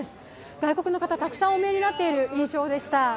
外国の方、たくさんおみえになっている印象でした。